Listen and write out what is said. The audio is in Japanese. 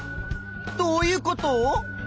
どういうこと？